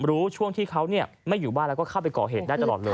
รู้ช่วงที่เขาไม่อยู่บ้านแล้วก็เข้าไปก่อเหตุได้ตลอดเลย